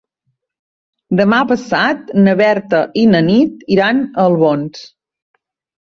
Demà passat na Berta i na Nit iran a Albons.